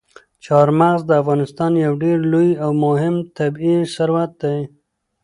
چار مغز د افغانستان یو ډېر لوی او مهم طبعي ثروت دی.